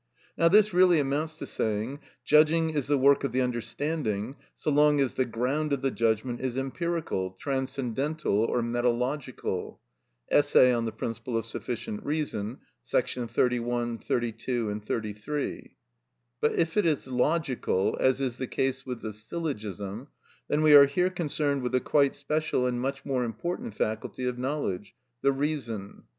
Now, this really amounts to saying: Judging is the work of the understanding so long as the ground of the judgment is empirical, transcendental, or metalogical (Essay on the Principle of Sufficient Reason, § 31, 32, 33); but if it is logical, as is the case with the syllogism, then we are here concerned with a quite special and much more important faculty of knowledge—the reason.